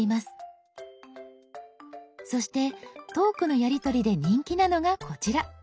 そしてトークのやりとりで人気なのがこちら。